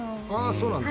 そうなんだ。